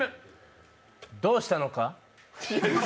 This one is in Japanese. どうしたのか？